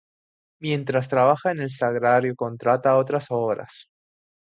Mientras trabaja en el Sagrario contrata otras obras.